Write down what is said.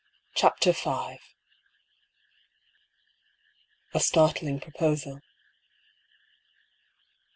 CHAPTEE V. A STARTLING PROPOSAL.